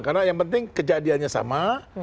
karena yang penting kejadiannya sama